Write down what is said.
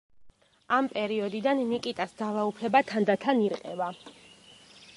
ამ პერიოდიდან ნიკიტას ძალაუფლება თანდათან ირყევა.